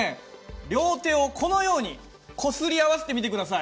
両手をこのようにこすり合わせてみて下さい。